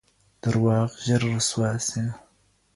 درواغ ژر رسوا سي